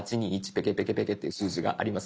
ペケペケペケっていう数字がありますが。